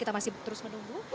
kita masih terus menunggu